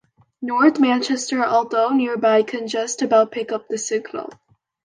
North Manchester, although nearby, can just about pick up the signal.